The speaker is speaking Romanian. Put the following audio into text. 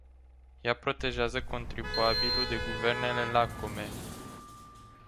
Ea protejează contribuabilul de guvernele lacome.